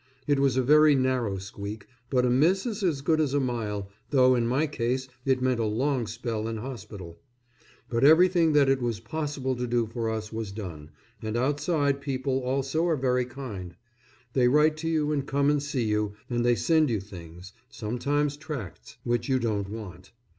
It was a very narrow squeak; but a miss is as good as a mile, though in my case it meant a long spell in hospital. But everything that it was possible to do for us was done, and outside people also are very kind; they write to you and come and see you, and they send you things sometimes tracts, which you don't want.